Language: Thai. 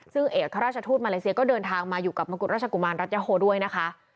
ซึ่งเอกราชทูตมาเลเซียก็เดินทางมาอยู่กับมกุฎราชกุมารรัชยาโฮด้วยนะคะ